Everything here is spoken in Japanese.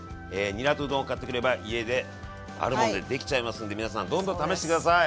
にらとうどんを買ってくれば家であるものでできちゃいますんで皆さんどんどん試して下さい。